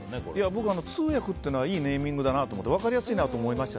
僕、通訳というのはいいネーミングだなと思って分かりやすいなと思いました。